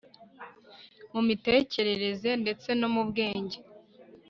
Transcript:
mu mitekerereze ndetse no mu bwenge